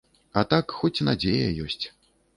А так, хоць надзея ёсць.